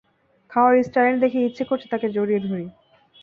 খাওয়ার স্টাইল দেখে ইচ্ছে করছে তাকে জড়িয়ে ধরি।